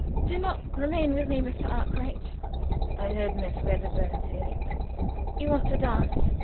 "Do not remain with me, Mr. Arkwright," I heard Miss Wedderburn say. "You want to dance.